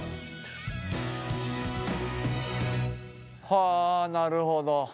はあなるほど。